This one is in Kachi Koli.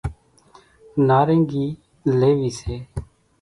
نارينگي ليوي سي،